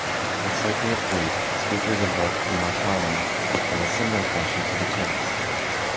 In Cypriot Greek, speakers invoke "mashallah" in a similar fashion to Turks.